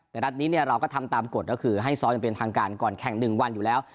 แต่นัดนี้เราก็ทำตามกฎก็คือให้ซ้อมอย่างเป็นทางการก่อนแข่ง๑วันอยู่แล้ว